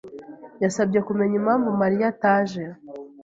yasabye kumenya impamvu Mariya ataje.